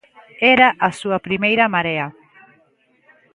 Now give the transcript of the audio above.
Era a súa primeira marea.